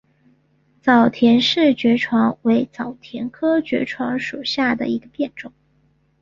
早田氏爵床为爵床科爵床属下的一个变种。